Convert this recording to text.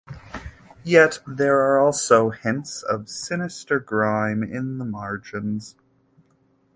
Yet there are also hints of sinister grime in the margins.